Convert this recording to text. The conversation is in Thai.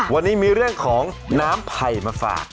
วันนี้มีเรื่องของน้ำไผ่มาฝาก